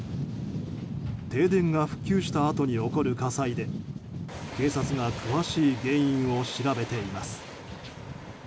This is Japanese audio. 停電が復旧したあとに起こる火災で警察が詳しい原因を調べています。